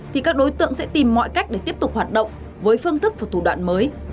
thì các đối tượng sẽ tìm mọi cách để tiếp tục hoạt động với phương thức và thủ đoạn mới